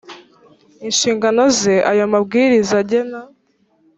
inshingano ze ayo mabwiriza agena